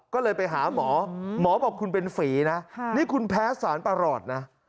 ก็เลยไปหาหมอหมอบอกคุณเป็นฝีนะนี่คุณแพ้สารประหลอดนะ